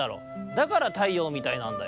だから太陽みたいなんだ。